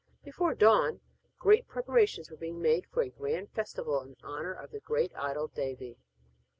Before dawn great preparations were being made for a grand festival in honour of the great idol Devi.